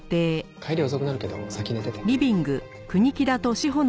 帰りは遅くなるけど先寝てて。